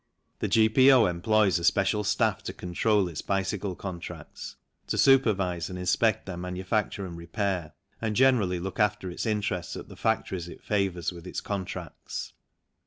The G.P.O. employs a special staff to control its bicycle contracts, to supervise and inspect their manu facture and repair, and generally look after its interests at the factories it favours with its contracts.